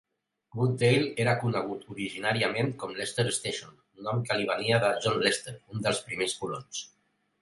Wood Dale era conegut originàriament com Lester's Station", nom que li venia de John Lester, un dels primers colons.